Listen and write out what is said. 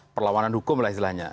perlawanan hukum lah istilahnya